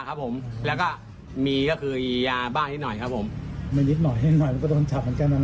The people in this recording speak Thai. ครับผมแล้วก็มีก็คือยาบ้านิดหน่อยครับผมมันนิดหน่อยนิดหน่อยมันก็โดนจับเหมือนกัน